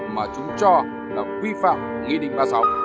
mà chúng cho là quy phạm nghị định ba mươi sáu cb